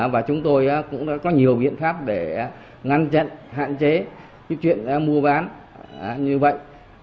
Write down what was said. và chúng tôi cũng đã có nhiều biện pháp để ngăn chặn hạn chế chuyện mua bán như vậy